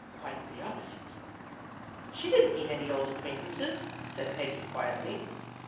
Quite the oppo site." " She didn't meet any old acquaintances," said Peggy quietly.